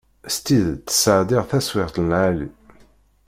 S tidet sεeddaɣ taswiεt n lεali.